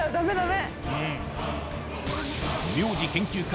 名字研究家